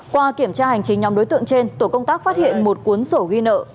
qua kiểm tra hành chính nhóm đối tượng trên tổ công tác phát hiện một cuốn sổ ghi nợ